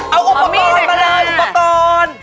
เอาอุ๊ปประกอบมาเลยอุ๊ปประกอบ